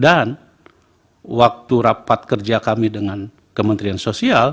dan waktu rapat kerja kami dengan kementerian sosial